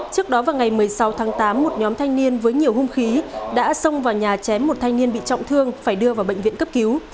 trước đó vào ngày một mươi sáu tháng tám một nhóm thanh niên với nhiều hung khí đã xông vào nhà chém một thanh niên bị trọng thương phải đưa vào bệnh viện cấp cứu